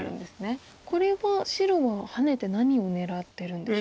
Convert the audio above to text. これは白はハネて何を狙ってるんでしょうか。